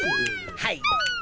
はい！